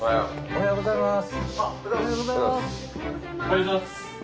おはようございます。